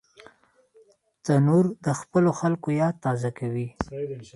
تنور د خپلو خلکو یاد تازه کوي